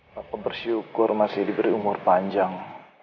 bapak bersyukur masih diberi umur panjang